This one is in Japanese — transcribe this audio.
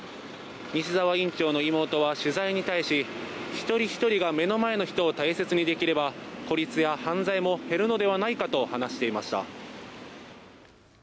西澤院長の妹は取材に対し一人ひとりが目の前の人を大切にできれば孤立や犯罪も減るのではないかと話していました。